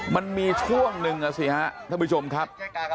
มันมีช่วงหนึ่งอ่ะสิฮะท่านผู้ชมครับ